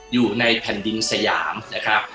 อยู่ในแผ่นดินสยามนะครับ